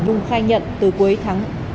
nhung khai nhận từ cuối tháng